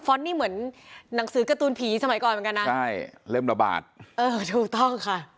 นี่เหมือนหนังสือการ์ตูนผีสมัยก่อนเหมือนกันนะใช่เล่มระบาดเออถูกต้องค่ะ